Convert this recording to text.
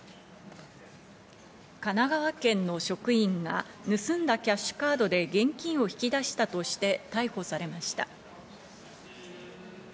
神奈川県の職員が盗んだキャッシュカードで現金を引き出したとして逮捕されました。